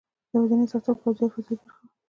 یوازینی سکتور پوځي او فضايي برخه وه.